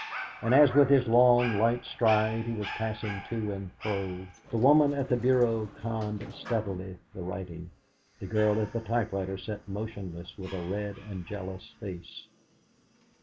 And as with his long, light stride he was passing to and fro, the woman at the bureau conned steadily the writing, the girl at the typewriter sat motionless with a red and jealous face.